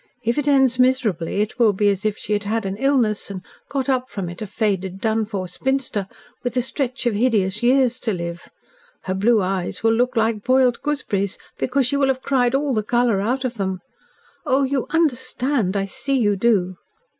If it ends miserably, it will be as if she had had an illness, and got up from it a faded, done for spinster with a stretch of hideous years to live. Her blue eyes will look like boiled gooseberries, because she will have cried all the colour out of them. Oh! You UNDERSTAND! I see you do."